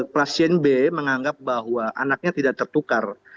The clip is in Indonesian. pasien b menganggap bahwa anaknya tidak tertukar